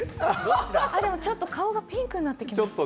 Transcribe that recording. ちょっと顔がピンクになってきた。